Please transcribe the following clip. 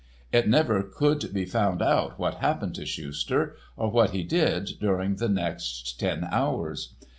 It never could be found out what happened to Schuster, or what he did, during the next ten hours.